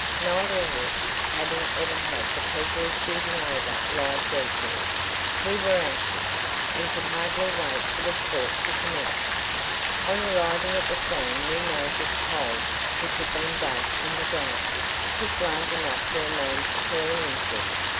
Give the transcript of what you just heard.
… Neither of us having ever had the pleasure of shooting over live decoys, we were anxious, and could hardly wait for the sport to commence. On arriving at the scene we noticed holes which had been dug in the ground, just large enough for a man to crawl into.